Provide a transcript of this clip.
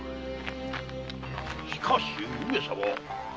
しかし上様。